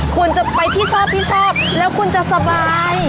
คุณจะไปที่ชอบแล้วคุณจะสบาย